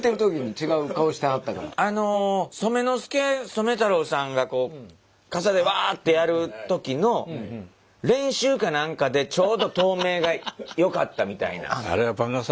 あの染之助・染太郎さんがこう傘でワッてやる時の練習か何かでちょうど透明がよかったみたいな。